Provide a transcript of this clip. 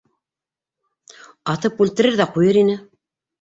Атып үлтерер ҙә ҡуйыр ине.